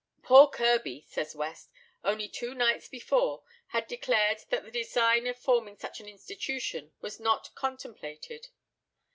"Poor Kirby," says West, "only two nights before, had declared that the design of forming such an institution was not contemplated.